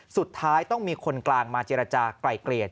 สุดท้ายต้องมีคนกลางมาเจรจากลายเกลี่ย